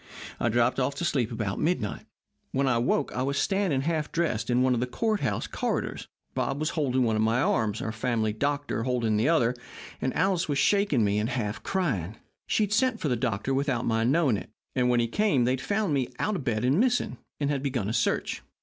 I dropped off to sleep about midnight. When I awoke I was standing half dressed in one of the court house corridors. Bob was holding one of my arms, our family doctor the other, and Alice was shaking me and half crying. She had sent for the doctor without my knowing it, and when he came they had found me out of bed and missing, and had begun a search.